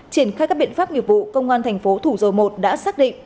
triển khai các biện pháp nghiệp vụ công an thành phố thủ dầu một đã xác định